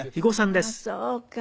ああーそうか。